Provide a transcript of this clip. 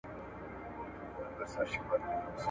ښځه دا حق لري، چي د کفارو سره د امان تړون وکړي.